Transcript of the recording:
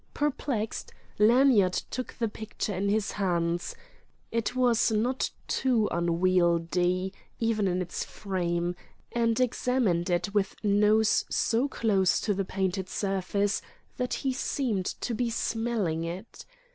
Perplexed, Lanyard took the picture in his hands—it was not too unwieldy, even in its frame—and examined it with nose so close to the painted surface that he seemed to be smelling it.